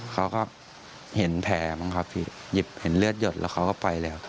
เขาก็เห็นแผลบ้างครับพี่หยิบเห็นเลือดหยดแล้วเขาก็ไปแล้ว